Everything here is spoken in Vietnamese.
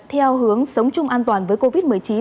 theo hướng sống chung an toàn với covid một mươi chín